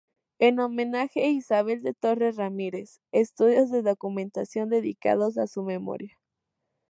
En "Homenaje Isabel de Torres Ramírez: Estudios de documentación dedicados a su memoria".